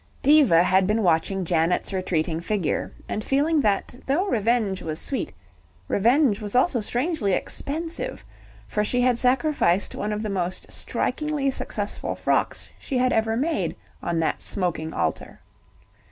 Diva had been watching Janet's retreating figure, and feeling that though revenge was sweet, revenge was also strangely expensive, for she had sacrificed one of the most strikingly successful frocks she had ever made on that smoking altar.